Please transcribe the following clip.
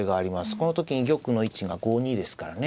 この時に玉の位置が５二ですからね。